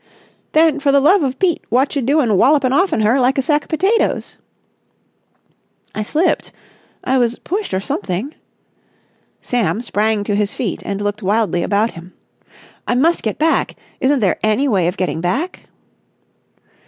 "Then, for the love of Pete, wotcha doin' walloping off'n her like a sack of potatoes?" "I slipped. I was pushed or something." Sam sprang to his feet and looked wildly about him. "I must get back. Isn't there any way of getting back?"